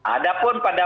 ada pun pada